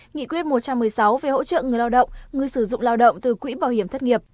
nghị quyết một trăm một mươi sáu về hỗ trợ người lao động người sử dụng lao động từ quỹ bảo hiểm thất nghiệp